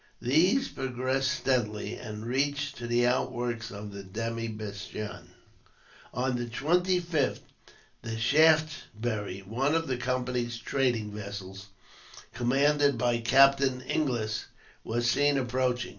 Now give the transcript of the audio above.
These progressed steadily, and reached to the outworks of the demi bastion. On the 25th the Shaftesbury, one of the Company's trading vessels, commanded by Captain Inglis, was seen approaching.